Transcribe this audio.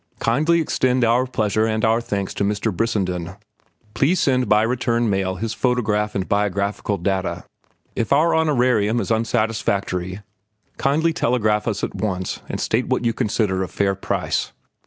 Kindly extend our pleasure and our thanks to Mr. Brissenden. Please send by return mail his photograph and biographical data. If our honorarium is unsatisfactory, kindly telegraph us at once and state what you consider a fair price."